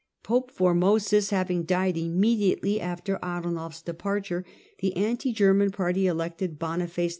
Pope Formosus having died immediately after Arnulf 's departure, the anti German party elected Boniface VII.